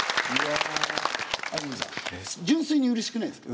安住さん純粋にうれしくないですか？